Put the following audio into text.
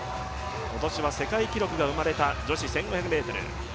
今年は世界記録が生まれた女子１５００ｍ。